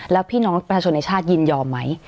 แล้วพี่น้องประชาชนในชาติยินยอมไหม